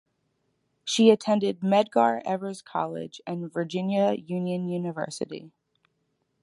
She attended Medgar Evers College and Virginia Union University.